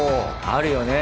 あるよね。